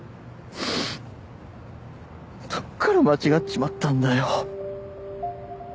どっから間違っちまったんだよ